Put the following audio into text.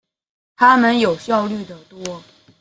他們有效率的多